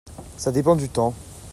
Ça dépend du temps.